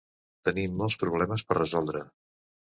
Tenim molts problemes per resoldre.